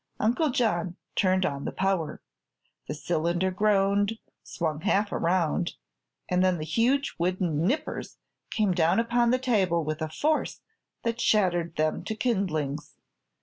Uncle John turned on the power. The cylinder groaned, swung half around, and then the huge wooden "nippers" came down upon the table with a force that shattered them to kindlings.